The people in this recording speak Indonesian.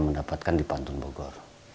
mendapatkan di pantun bogor